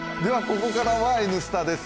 ここからは「Ｎスタ」です。